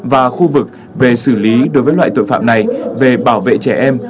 và khu vực về xử lý đối với loại tội phạm này về bảo vệ trẻ em